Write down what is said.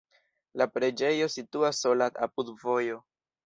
La preĝejo situas sola apud vojo.